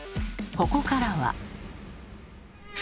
ここからは。